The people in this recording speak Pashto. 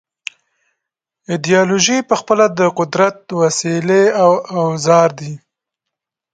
ایدیالوژۍ پخپله د قدرت وسیلې او اوزار دي.